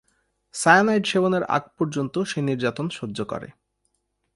Cyanide সেবনের আগ পর্যন্ত সে নির্যাতন সহ্য করে।